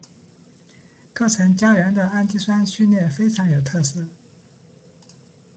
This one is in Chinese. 构成胶原的氨基酸序列非常有特色。